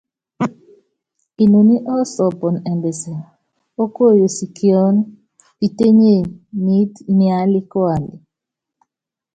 Inoní ɔsɔɔpɔn ɛmbɛsɛ o kuoyosi kiɔ́n kipeetenyé niít niálɛ́kualɛ.